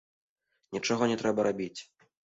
Нічога не трэба рабіць.